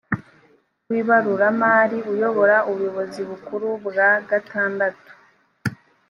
w ibaruramari uyubora ubuyobozi bukuru bwa gatandatu